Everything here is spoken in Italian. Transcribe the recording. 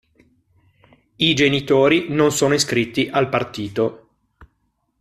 I genitori non sono iscritti al partito.